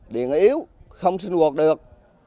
điện yếu không sinh hoạt được